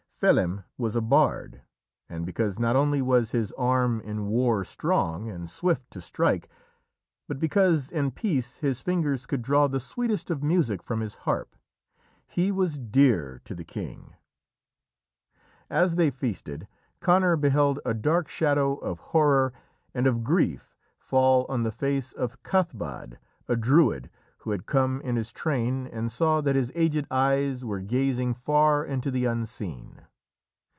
Felim was a bard, and because not only was his arm in war strong and swift to strike, but because, in peace, his fingers could draw the sweetest of music from his harp, he was dear to the king. As they feasted, Conor beheld a dark shadow of horror and of grief fall on the face of Cathbad, a Druid who had come in his train, and saw that his aged eyes were gazing far into the Unseen.